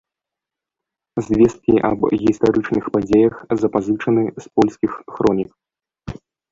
Звесткі аб гістарычных падзеях запазычаны з польскіх хронік.